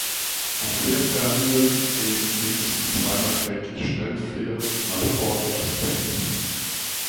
Am Fährterminal gehen mindestens zweimal täglich Schnellfähren nach Port of Spain.